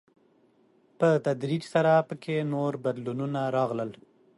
په تدريج سره په کې نور بدلونونه راغلل.